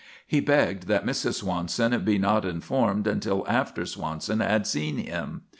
He begged that Mrs. Swanson be not informed until after Swanson had seen him.